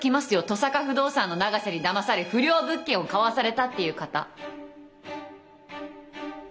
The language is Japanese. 登坂不動産の永瀬にだまされ不良物件を買わされたっていう方。